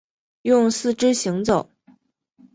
用四肢行走。